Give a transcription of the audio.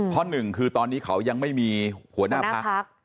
เพราะ๑คือตอนนี้เขายังไม่มีวราชหับปรากษ์